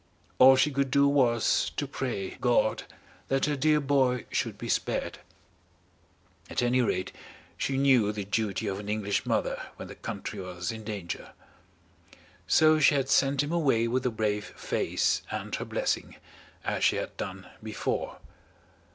All she could do was to pray God that her dear boy should be spared. At any rate, she knew the duty of an English mother when the country was in danger; so she had sent him away with a brave face and her blessing, as she had done before.